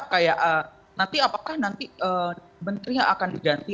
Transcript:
kayak nanti apakah nanti menteri yang akan diganti